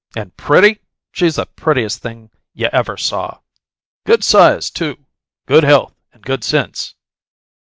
And pretty? She's the prettiest thing you ever saw! Good size, too; good health and good sense.